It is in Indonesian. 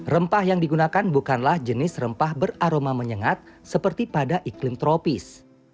rempah yang digunakan bukanlah jenis rempah beraroma menyengat seperti pada iklim tropis